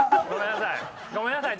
ごめんなさい。